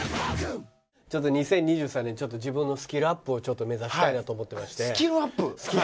２０２３年自分のスキルアップを目指したいなと思ってまして。